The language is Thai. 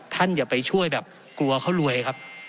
อย่าไปช่วยแบบกลัวเขารวยครับ